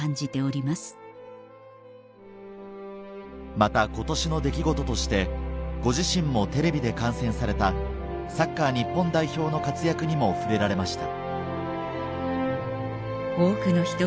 また今年の出来事としてご自身もテレビで観戦されたサッカー日本代表の活躍にも触れられました